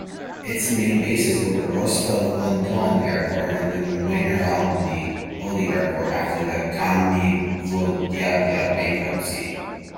Its main bases were Rostov-on-Don Airport and Mineralnye Vody Airport after the Kavminvodyavia bankruptcy.